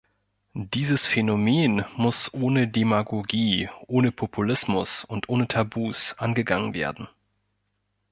Dieses Phänomen muss ohne Demagogie, ohne Populismus und ohne Tabus angegangen werden.